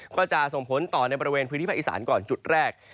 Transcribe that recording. ก็จะส่งผลต่อในบริเวณพื้นที่ภาคอีสานก่อนจุดแรก